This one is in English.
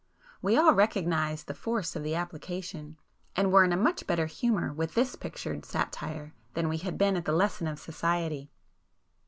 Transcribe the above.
We all recognised the force of the application, and were in a much better humour with this pictured satire than we had been at the lesson of 'Society.